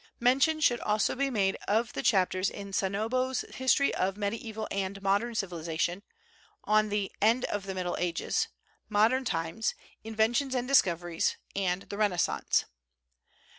Mention should also be made of the chapters in Seignobos's "History of Medieval and Modern Civilization" on the "End of the Middle Ages," "Modern Times," "Inventions and Discoveries," and the "Renaissance."